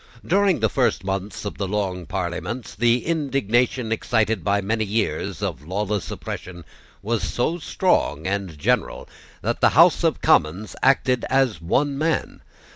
During the first months of the Long Parliament, the indignation excited by many years of lawless oppression was so strong and general that the House of Commons acted as one man.